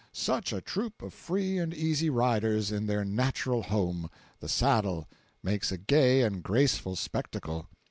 Such a troop of free and easy riders, in their natural home, the saddle, makes a gay and graceful spectacle.